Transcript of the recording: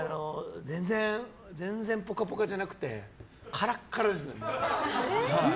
全然ぽかぽかじゃなくてカラカラです。